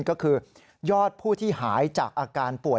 ก็คือยอดผู้ที่หายจากอาการป่วย